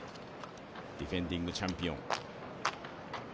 ディフェンディングチャンピオン。